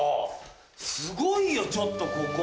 すごいよちょっとここ。